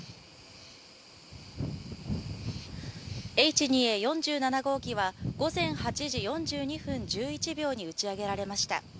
Ｈ２Ａ４７号機は午前８時４２分１１秒に打ち上げられました。